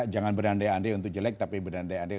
jangan berdanda yang andai untuk jelek tapi berdanda yang andai